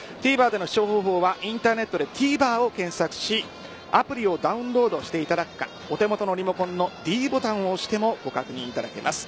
ＴＶｅｒでの視聴方法ですがインターネットでＴＶｅｒを検索していただいてアプリをダウンロードしていただくかお手元のリモコンのｄボタンを押してもご確認いただけます。